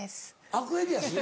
アクエリアス？